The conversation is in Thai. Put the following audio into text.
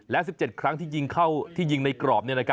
และ๑๗ครั้งที่ยิงในกรอบ